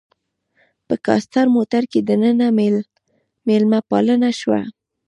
په کاسټر موټر کې دننه میلمه پالنه شوه.